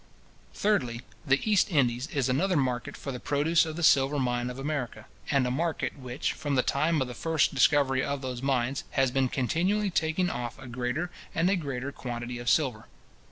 Thirdly, the East Indies is another market for the produce of the silver mines of America, and a market which, from the time of the first discovery of those mines, has been continually taking off a greater and a greater quantity of silver.